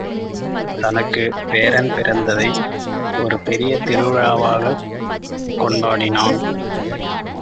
தனக்குப் பேரன் பிறந்ததை ஒரு பெரிய திருவிழாவாகக் கொண்டாடினான்.